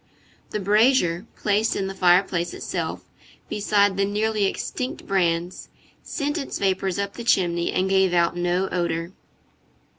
The brazier, placed in the fireplace itself, beside the nearly extinct brands, sent its vapors up the chimney, and gave out no odor.